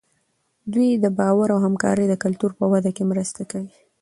دوی د باور او همکارۍ د کلتور په وده کې مرسته کوي.